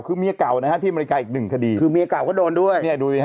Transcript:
คือเมียเก่านะฮะที่อเมริกาอีกหนึ่งคดีคือเมียเก่าก็โดนด้วยเนี่ยดูสิฮะ